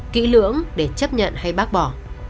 kỹ lưỡng để chấp nhận hay bác bỏ